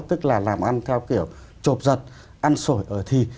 tức là làm ăn theo kiểu chộp giật ăn sổi ở thì